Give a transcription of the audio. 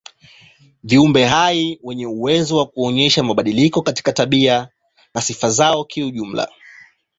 Viumbe hai ndio wenye uwezo wa kuonyesha mabadiliko katika tabia na sifa zao kijumla.